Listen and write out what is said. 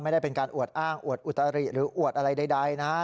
ไม่ได้เป็นการอวดอ้างอวดอุตริหรืออวดอะไรใดนะฮะ